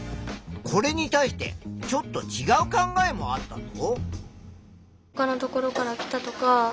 これに対してちょっとちがう考えもあったぞ。